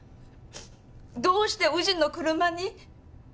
どうして祐鎮の車に？